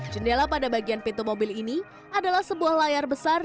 jendela pada bagian pintu mobil ini adalah sebuah layar besar